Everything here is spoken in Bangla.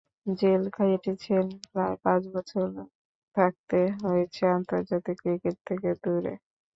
জেল খেটেছেন, প্রায় পাঁচ বছর থাকতে হয়েছে আন্তর্জাতিক ক্রিকেট থেকে দূরে।